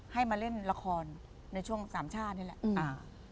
ให้มาเล่นละครในช่วงสามชาตินี่แหละอ่า